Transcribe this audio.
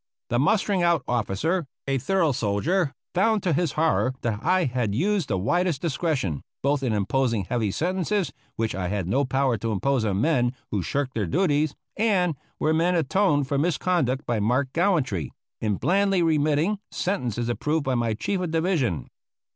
The mustering out officer, a thorough soldier, found to his horror that I had used the widest discretion both in imposing heavy sentences which I had no power to impose on men who shirked their duties, and, where men atoned for misconduct by marked gallantry, in blandly remitting sentences approved by my chief of division.